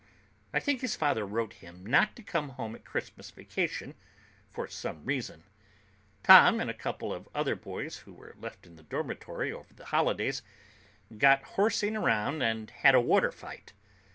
I think his father wrote him not to come home at Christmas vacation, for some reason. Tom and a couple of other boys who were left in the dormitory over the holidays got horsing around and had a water fight.